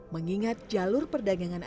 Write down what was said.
mengingat jalur perdagangannya